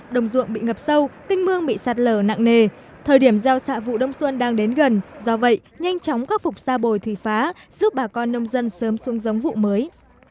đồng ruộng bị ngập sâu canh mương bị sạt lở nặng nề thời điểm gieo xạ vụ đông xuân đang đến gần do vậy nhanh chóng khắc phục xa bồi thủy phá giúp bà con nông dân sớm xuống giống vụ mới